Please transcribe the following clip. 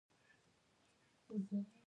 ښوروا د افغان سفرې یوه مهمه برخه ده.